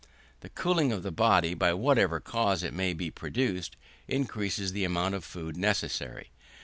The cooling of the body, by whatever cause it may be produced, increases the amount of food necessary.